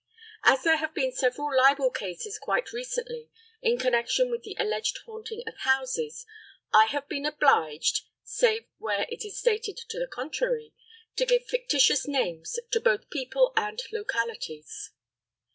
As there have been several libel cases quite recently in connection with the alleged haunting of houses, I have been obliged (save where it is stated to the contrary) to give fictitious names to both people and localities.